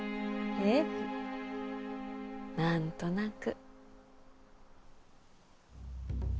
ええ何となく。